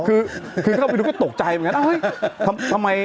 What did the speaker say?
คือเข้าไปดูก็ตกใจมากัน